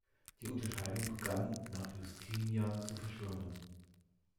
Die Unterscheidung begann nach Justinian zu verschwimmen.